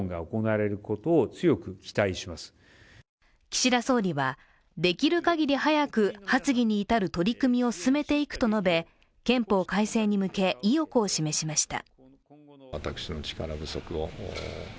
岸田総理は、できるかぎり早く発議に至る取り組みを進めていくと述べ、憲法改正に向け意欲を示しました。